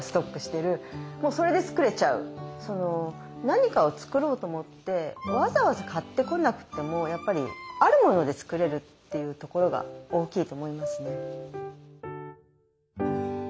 何かを作ろうと思ってわざわざ買ってこなくてもやっぱりあるもので作れるっていうところが大きいと思いますね。